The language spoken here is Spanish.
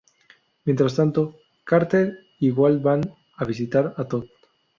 Mientras tanto, Carter y Walt van a visitar a Tot.